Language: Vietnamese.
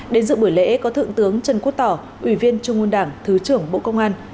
đến dự buổi lễ có thượng tướng trần quốc tỏ ủy viên trung ương đảng thứ trưởng bộ công an